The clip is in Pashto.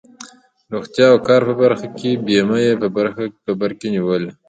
روغتیا او کار په برخه کې بیمه یې په بر کې نیوله.